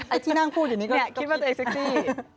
ที่นั่งพูดอยู่นิดเนี่ยคิดว่าตัวเองเซ็กซี่